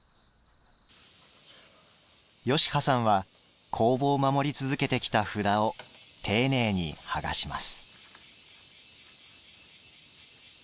吉羽さんは工房を守り続けてきた札を丁寧に剥がします。